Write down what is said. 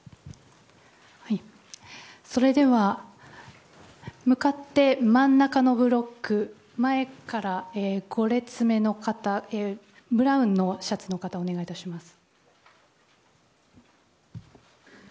それでは向かって真ん中のブロック前から５列目のブラウンのシャツの方お願いします。